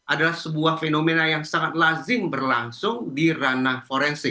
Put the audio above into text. adalah sebuah fenomena yang sangat lazim berlangsung di ranah forensik